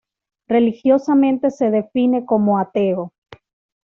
Religiosamente se define como ateo.